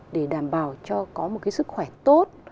để đảm bảo cho có một cái sức khỏe tốt